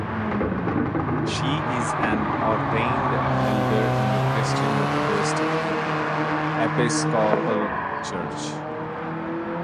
She is an ordained elder in the Christian Methodist Episcopal Church.